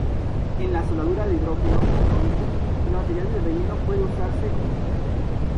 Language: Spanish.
En la soldadura de hidrógeno atómico, el material de relleno puede usarse o no.